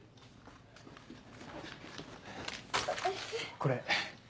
これ。